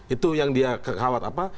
itu yang dia khawatir apa